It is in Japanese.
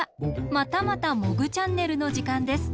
またまた「モグチャンネル」のじかんです。